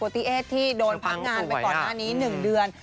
ที่โดนพักงานไปก่อนอันนี้๑เดือน